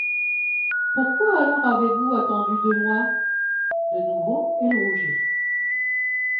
Pourquoi alors avez-vous attendu deux mois?» De nouveau, elle rougit.